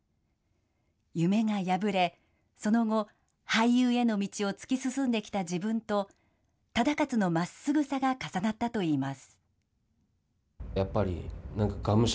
夢が破れ、その後、俳優への道を突き進んできた自分と、忠勝のまっすぐさが重なったといいます。